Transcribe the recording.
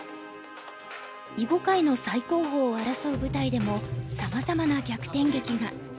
囲碁界の最高峰を争う舞台でもさまざまな逆転劇が。